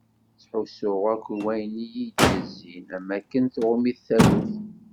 Ttḥussuɣ akk i wayen yi-d-yezzin am wakken tɣumm-it tagut.